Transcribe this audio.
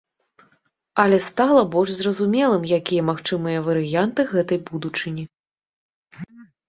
Але стала больш зразумелым, якія магчымыя варыянты гэтай будучыні.